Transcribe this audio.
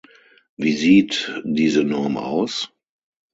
Wie sieht diese Norm aus?